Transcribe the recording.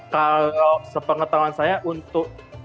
kalau sepengetahuan saya untuk